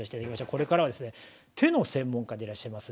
これからはですね手の専門家でいらっしゃいます